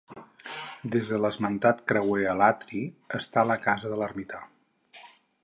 Des de l'esmentat creuer a l'atri, està la casa de l'ermità.